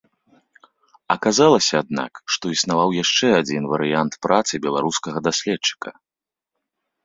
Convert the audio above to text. Аказалася, аднак, што існаваў яшчэ адзін варыянт працы беларускага даследчыка.